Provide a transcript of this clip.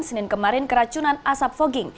senin kemarin keracunan asap fogging